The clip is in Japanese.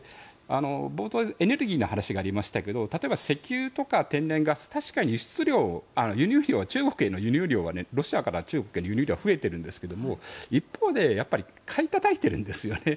冒頭エネルギーの話がありましたが例えば、石油とか天然ガス確かに輸出量中国への輸入量はロシアから中国への輸入量は増えているんですが一方で買いたたいているんですよね。